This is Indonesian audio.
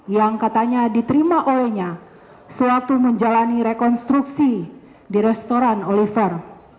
yang katanya diterima olehnya sewaktu menjalani rekonstruksi di restoran oliver